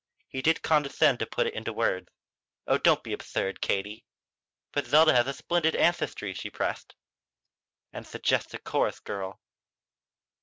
He did condescend to put into words: "Oh, don't be absurd, Katie." "But Zelda has a splendid ancestry," she pressed. "And suggests a chorus girl."